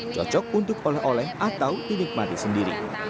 cocok untuk oleh oleh atau dinikmati sendiri